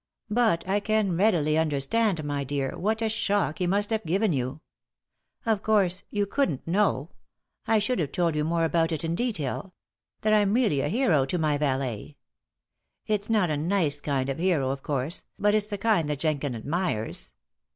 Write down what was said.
But I can readily understand, my dear, what a shock he must have given you. Of course, you couldn't know I should have told you more about it in detail that I'm really a hero to my valet. It's not a nice kind of hero, of course, but it's the kind that Jenkins admires.